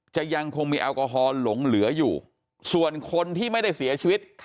ยังคงมีแอลกอฮอลหลงเหลืออยู่ส่วนคนที่ไม่ได้เสียชีวิต